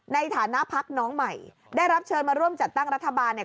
ในฐานะพักน้องใหม่ได้รับเชิญมาร่วมจัดตั้งรัฐบาลเนี่ย